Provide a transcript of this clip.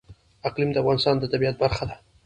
اقلیم د افغانستان د طبیعت برخه ده.